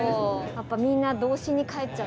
やっぱみんな童心に返っちゃう。